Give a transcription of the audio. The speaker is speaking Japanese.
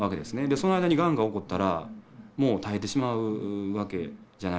その間にがんが起こったらもう絶えてしまうわけじゃないですか。